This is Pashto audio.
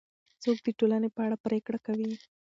څوک د ټولنې په اړه پرېکړه کوي؟